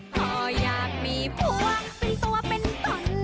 พออยากมีผัวเป็นตัวเป็นตน